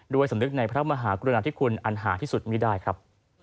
สำนึกในพระมหากรุณาธิคุณอันหาที่สุดไม่ได้ครับ